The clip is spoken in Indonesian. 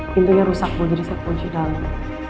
pintunya rusak bu jadi saya kunci dalem